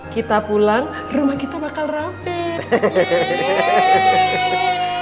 kita pulang rumah kita bakal rame